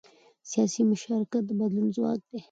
سیاسي مشارکت د بدلون ځواک دی